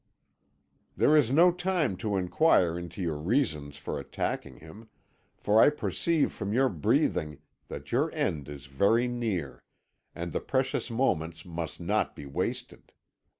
"There is no time to inquire into your reasons for attacking him, for I perceive from your breathing that your end is very near, and the precious moments must not be wasted.